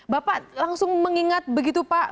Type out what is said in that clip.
bapak langsung mengingat begitu pak